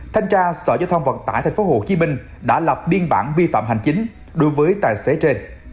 thanh tra sở giao thông vận tải tp hcm đã lập biên bản vi phạm hành chính đối với tài xế trên